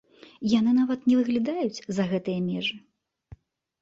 Яны нават не выглядаюць за гэтыя межы!